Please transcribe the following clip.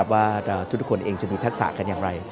ว่าทุกคนเองจะมีทักษะกันอย่างไร